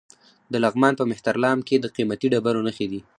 د لغمان په مهترلام کې د قیمتي ډبرو نښې دي.